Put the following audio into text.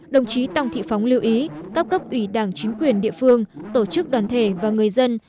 đồng chí tòng thị phóng lưu ý các cấp ủy đảng chính quyền địa phương tổ chức đoàn thể và người dân